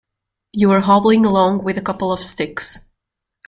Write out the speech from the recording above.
You were hobbling along with a couple of sticks!